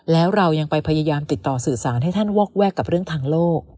แล้วเรายังไปพยายามติดต่อสื่อสารให้ท่านวอกแวกกับเรื่องทางโลก